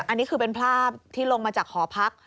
อันนี้คือเป็นภาพที่ลงมาจากหอพัก